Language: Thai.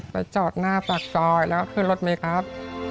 ไปจอดหน้าปากซอยแล้วก็ขึ้นรถมีครับ